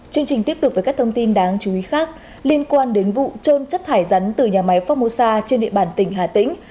chương trình tiếp tục với các thông tin đáng chú ý khác liên quan đến vụ trôn chất thải rắn từ nhà máy phongmosa trên địa bàn tỉnh hà tĩnh